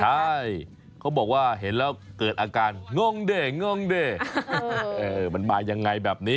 ใช่เขาบอกว่าเห็นแล้วเกิดอาการงงเด้งงเด้มันมายังไงแบบนี้